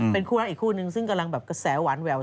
เป็นคู่รักอีกคู่นึงซึ่งกำลังแบบกระแสหวานแหวว